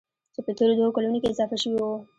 چې په تېرو دوو کلونو کې اضافه شوي وو.